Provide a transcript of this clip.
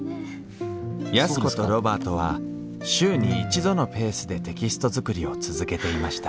安子とロバートは週に一度のペースでテキストづくりを続けていました